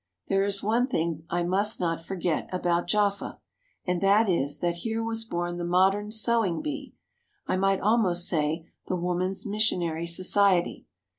There is one thing I must not forget about Jaffa, and that is that here was born the modern sewing bee, I might almost say the Woman's Missionary Society.